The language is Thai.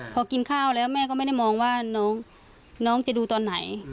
พอกินข้าวแล้วแม่ก็ไม่ได้มองว่าน้องจะดูตอนไหน